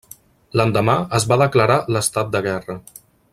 L'endemà es va declarar l'estat de guerra.